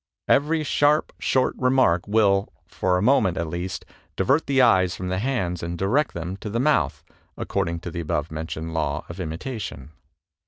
Every sharp, short remark will, for a mo ment, at least, divert the eyes from the hands and direct them to the mouth, according to the above mentioned law of imitation."